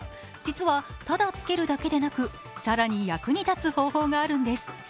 実はただつけるだけでなく、更に役に立つ方法があるんです。